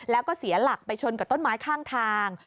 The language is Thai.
แล้วก็เสียหลักไปชนกับต้นไม้ข้างทาง